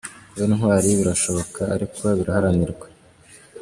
Kuba intwari birashoboka, ariko biraharanirwa ».